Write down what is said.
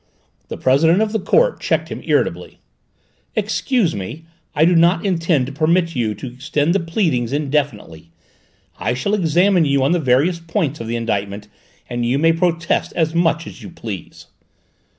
The President of the Court checked him irritably. "Excuse me, I do not intend to permit you to extend the pleadings indefinitely. I shall examine you on the various points of the indictment, and you may protest as much as you please."